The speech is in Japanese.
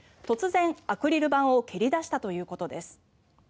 突然、アクリル板を蹴り出したということです。